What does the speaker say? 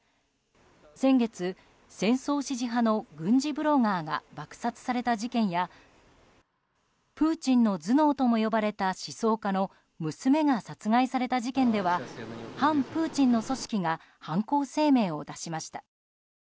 先月、戦争支持派の軍事ブロガーが爆殺された事件やプーチンの頭脳とも呼ばれた思想家の娘が殺害された事件では反プーチンの組織が犯行声明を出しました。